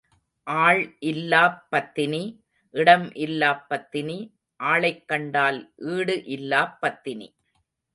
ஆள் இல்லாப் பத்தினி, இடம் இல்லாப் பத்தினி, ஆளைக் கண்டால் ஈடு இல்லாப் பத்தினி.